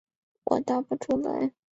我答不出来。